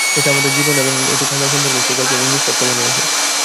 এটা আমাদের জীবন, এবং এটি ক্ষমা সম্পর্কে একটি গল্প এবং নিঃশর্ত ভালবাসা।